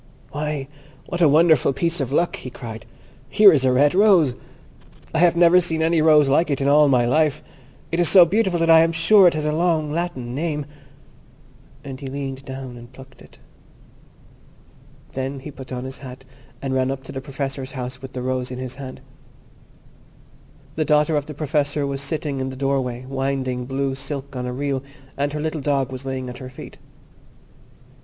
"Why, what a wonderful piece of luck!" he cried; "here is a red rose! I have never seen any rose like it in all my life. It is so beautiful that I am sure it has a long Latin name"; and he leaned down and plucked it. Then he put on his hat, and ran up to the Professor's house with the rose in his hand. The daughter of the Professor was sitting in the doorway winding blue silk on a reel, and her little dog was lying at her feet.